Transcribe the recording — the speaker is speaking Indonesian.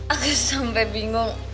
aku sampai bingung